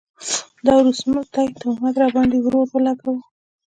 دا وروستی تهمت راباند ې ورور اولګوو